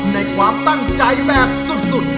ในความตั้งใจแบบสุด